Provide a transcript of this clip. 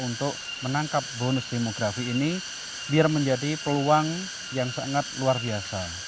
untuk menangkap bonus demografi ini biar menjadi peluang yang sangat luar biasa